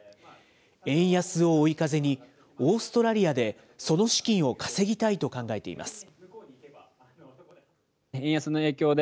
円安を追い風に、オーストラリアでその資金を稼ぎたいと考えています。